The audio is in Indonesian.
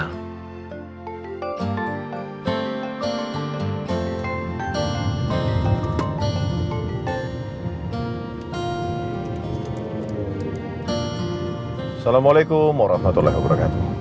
assalamualaikum warahmatullahi wabarakatuh